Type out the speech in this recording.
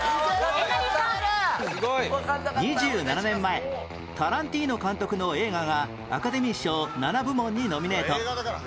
２７年前タランティーノ監督の映画がアカデミー賞７部門にノミネート